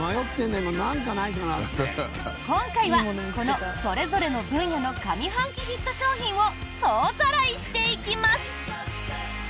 今回は、このそれぞれの分野の上半期ヒット商品を総ざらいしていきます！